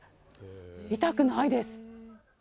痛くないです。